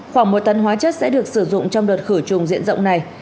khoảng một tấn hóa chất sẽ được sử dụng trong đợt khử trùng diện rộng này